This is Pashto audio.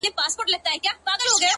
• حدِاقل چي ته مي باید پُخلا کړې وای ـ